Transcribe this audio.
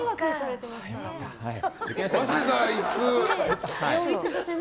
早稲田に行くと。